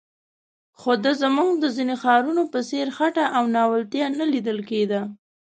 خو د زموږ د ځینو ښارونو په څېر خټه او ناولتیا نه لیدل کېده.